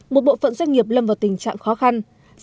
một bộ phận doanh nghiệp lâm vào tình trạng khó khăn